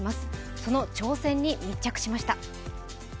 その挑戦に密着しました。